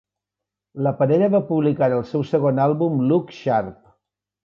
La parella va publicar el seu segon àlbum Look Sharp!